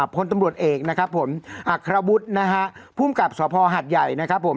พลตำรวจเอกนะครับผมอัครวุฒินะฮะภูมิกับสภหัดใหญ่นะครับผม